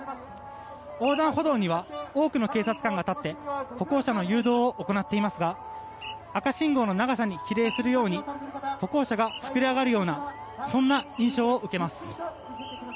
横断歩道には多くの警察官が立って歩行者の誘導を行っていますが赤信号の長さに比例するように歩行者が膨れ上がるような印象を受けます。